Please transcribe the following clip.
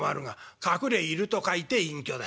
隠れ居ると書いて隠居だ。